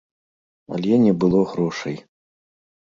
Але не было грошай.